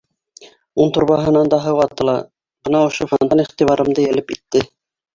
Ун торбаһынан да һыу атыла, бына ошо фонтан иғтибарымды йәлеп итте.